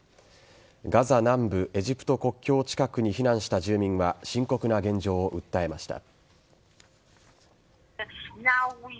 ガザ南部、エジプト国境近くに避難した住民は深刻な現状を訴えました。